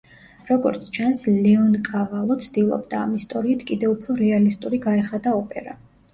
როგორც ჩანს ლეონკავალო ცდილობდა, ამ ისტორიით კიდევ უფრო რეალისტური გაეხადა ოპერა.